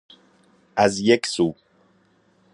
ازیکسو